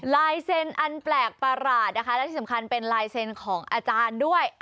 ลายเซ็นต์อันแปลกประหลาดนะคะและที่สำคัญเป็นลายเซ็นต์ของอาจารย์ด้วย